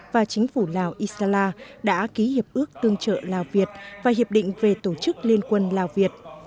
và chính phủ lào isla đã ký hiệp ước tương trợ lào việt và hiệp định về tổ chức liên quân lào việt